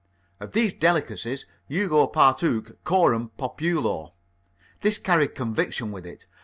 Of these delicacies Hugo partook coram populo. This carried conviction with it.